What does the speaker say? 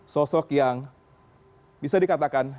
sosok yang bisa dikatakan